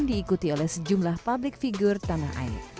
diikuti oleh sejumlah publik figur tanah air